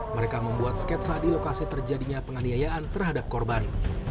mereka membuat sketsa di lokasi terjadinya penganiayaan terhadap korban